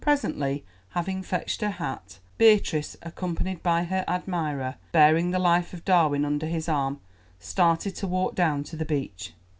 Presently, having fetched her hat, Beatrice, accompanied by her admirer, bearing the Life of Darwin under his arm, started to walk down to the beach.